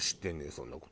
そんな事。